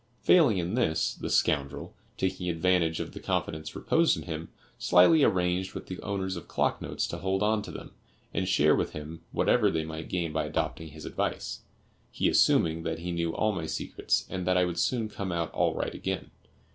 Failing in this, the scoundrel, taking advantage of the confidence reposed in him, slyly arranged with the owners of clock notes to hold on to them, and share with him whatever they might gain by adopting his advice, he assuming that he knew all my secrets and that I would soon come out all right again.